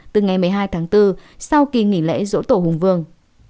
từ ngày một mươi hai tháng bốn sau khi nghỉ lễ rỗ tổ hùng vương